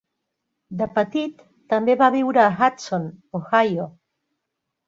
De petit, també va viure a Hudson, Ohio.